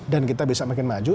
dan kita bisa makin maju